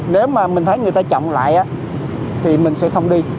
nếu mà mình thấy người ta chậm lại thì mình sẽ không đi